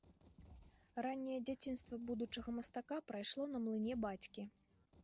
Ранняе дзяцінства будучага мастака прайшло на млыне бацькі.